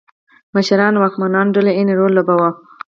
مشرانو او واکمنو ډلو عین رول لوباوه.